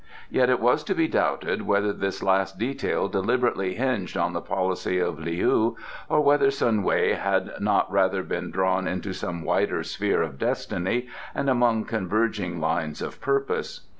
Yet it is to be doubted whether this last detail deliberately hinged on the policy of Leou or whether Sun Wei had not rather been drawn into some wider sphere of destiny and among converging lines of purpose.